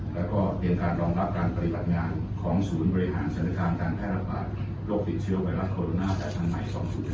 และก็เปลี่ยนการรองรับการปฏิบัติงานของศูนย์บริหารศนาคารการแพทย์รัฐบาลโรคติดเชื้อไวรัสโคโรนาแต่ทางใหม่๒๐๑๙